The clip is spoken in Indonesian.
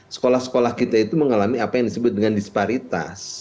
sekolah sekolah kita itu mengalami apa yang disebut dengan disparitas